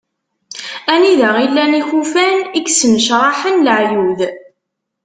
Anida i llan yikufan i yesnecraḥen laɛyud.